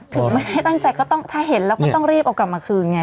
ถึงไม่ได้ตั้งใจก็ต้องถ้าเห็นแล้วก็ต้องรีบเอากลับมาคืนไง